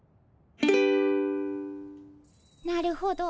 なるほど。